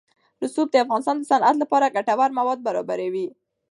رسوب د افغانستان د صنعت لپاره ګټور مواد برابروي.